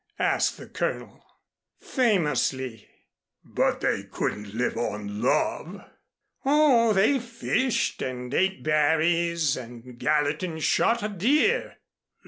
asked the Colonel. "Famously " "But they couldn't live on love." "Oh, they fished and ate berries, and Gallatin shot a deer."